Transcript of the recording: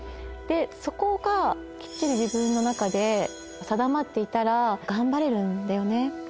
そこがきっちり自分の中で定まっていたら頑張れるんだよね